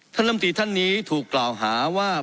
ลำตีท่านนี้ถูกกล่าวหาว่า